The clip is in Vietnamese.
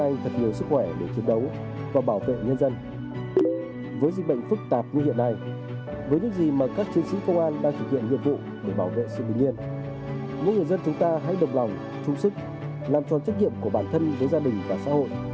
những người dân chúng ta hãy đồng lòng chung sức làm cho trách nhiệm của bản thân với gia đình và xã hội